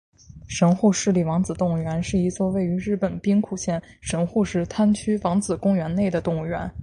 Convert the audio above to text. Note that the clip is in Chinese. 神户市立王子动物园是一座位于日本兵库县神户市滩区王子公园内的动物园。